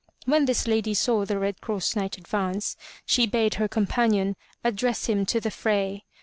When this lady saw the Red Cross Knight advance, she bade her companion address him to the fray.